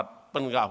dan ageng tpp